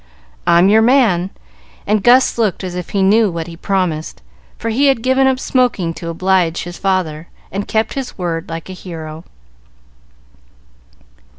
"I'm your man;" and Gus looked as if he knew what he promised, for he had given up smoking to oblige his father, and kept his word like a hero.